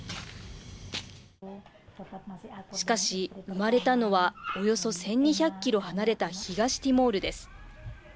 しかし、生まれたのはおよそ１２００キロ離れた東ティモールです。